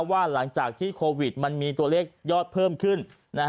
ว่าหลังจากที่โควิดมันมีตัวเลขยอดเพิ่มขึ้น